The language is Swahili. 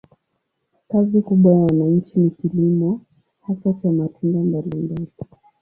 Kazi kubwa ya wananchi ni kilimo, hasa cha matunda mbalimbali.